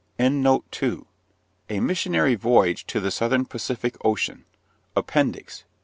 A Missionary Voyage to the Southern Pacific Ocean, Appendix, pp.